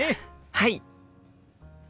はい！